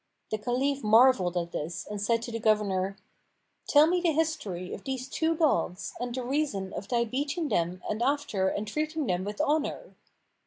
The Caliph marvelled at this and said to the governor, "Tell me the history of these two dogs and the reason of thy beating them and after entreating them with honour."